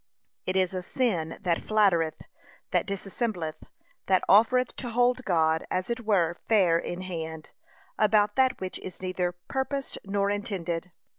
It is a sin that flattereth, that dissembleth, that offereth to hold God, as it were, fair in hand, about that which is neither purposed nor intended.